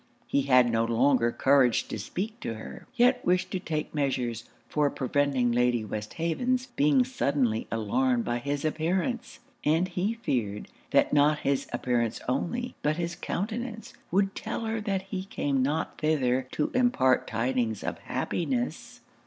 He had no longer courage to speak to her; yet wished to take measures for preventing Lady Westhaven's being suddenly alarmed by his appearance; and he feared, that not his appearance only, but his countenance, would tell her that he came not thither to impart tidings of happiness.